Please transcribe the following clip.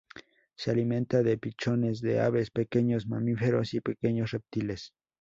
Se alimenta de pichones de aves, pequeños mamíferos y pequeños reptiles.